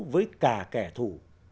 với cả kẻ thù